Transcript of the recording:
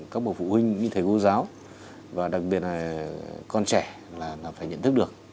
các bộ phụ huynh như thầy cô giáo và đặc biệt là con trẻ là phải nhận thức được